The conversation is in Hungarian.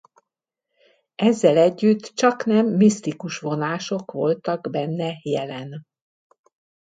Ezzel együtt csaknem misztikus vonások voltak benne jelen.